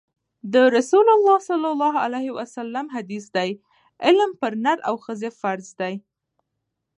د رسول الله ﷺ حدیث دی: علم پر نر او ښځي فرض دی